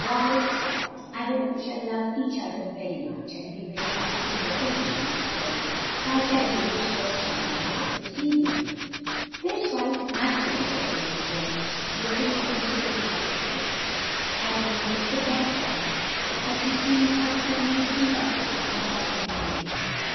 Violet smiled. "I hope we shall love each other very much, and be very happy together, Lulu," she said. "Now tell me which dress you want to wear this evening." "This white muslin," said the little girl, lifting it and shaking out the folds. "I believe it's the best I have, but you see it has only two ruffles and not a bit of lace.